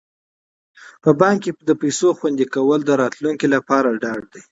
په بانک کې د پيسو خوندي کول د راتلونکي لپاره ډاډ دی.